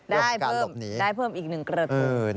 ได้เพิ่มอีกหนึ่งเกลือด